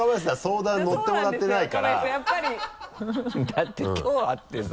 だってきょう会ってさ